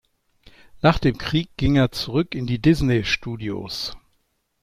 Nach dem Krieg ging er zurück in die Disney Studios.